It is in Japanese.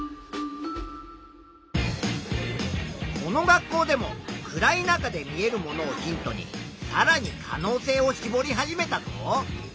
この学校でも暗い中で見えるものをヒントにさらに可能性をしぼり始めたぞ。